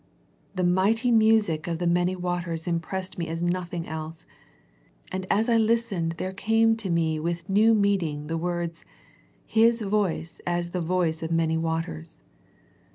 The mighty music of the many waters impressed me as nothing else, and as I listened there came to me with new meaning the words " His voice as the voice of many waters."